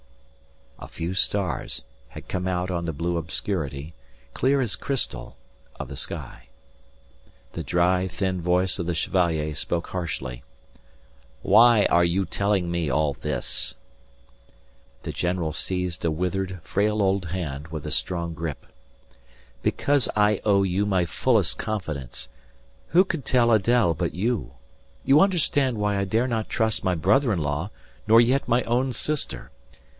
A few stars had come out on the blue obscurity, clear as crystal, of the sky. The dry, thin voice of the Chevalier spoke harshly. "Why are you telling me all this?" The general seized a withered, frail old hand with a strong grip. "Because I owe you my fullest confidence. Who could tell Adèle but you? You understand why I dare not trust my brother in law nor yet my own sister.